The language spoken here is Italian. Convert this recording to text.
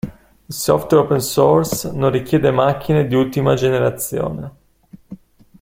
Il software open source non richieda macchine di ultima generazione.